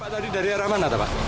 dari mana pak